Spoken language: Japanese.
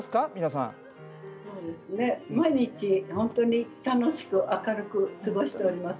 そうですね毎日ホントに楽しく明るく過ごしております。